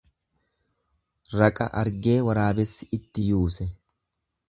Raqa argee waraabessi itti yuuse.